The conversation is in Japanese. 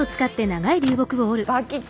バキッ！